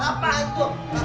apaan tuh somemm